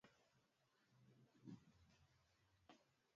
abiria elfu moja na mia tano walikufa kwenye ajali hiyo